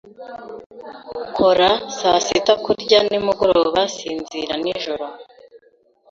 Kora saa sita Kurya nimugoroba Sinzira nijoro